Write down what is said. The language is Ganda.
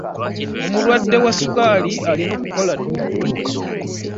Omulwadde wa sukaali alina okukola dduyiro.